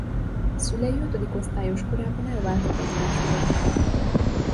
Szülei ötödik osztályos korában elváltak egymástól.